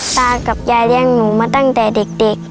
ตากับยายเลี้ยงหนูมาตั้งแต่เด็ก